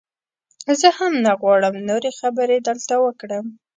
زه هم نه غواړم نورې خبرې دلته وکړم.